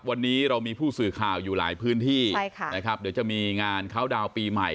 วันนี้เรามีผู้สื่อข่าวอยู่หลายพื้นที่จะมีงานเคาน์ดาวน์ปีใหม่